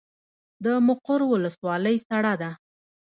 د مقر ولسوالۍ سړه ده